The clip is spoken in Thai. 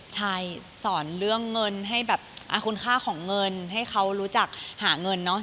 ใช่สอนเรื่องเงินให้แบบคุณค่าของเงินให้เขารู้จักหาเงินเนอะ